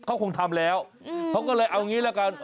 เขาคงทำแล้วเขาก็เลยเอางี้ละกัน